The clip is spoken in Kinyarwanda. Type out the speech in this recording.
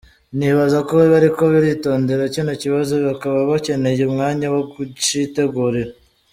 "Nibaza ko bariko baritondera kino kibazo, bakaba bakeneye umwanya wo kucitegurira.